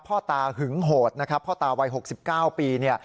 พ่อตาหึงโหดนะครับพ่อตาวัย๖๙ปีเนี่ย